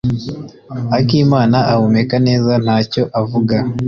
Akimana ahumeka neza ntacyo avuga.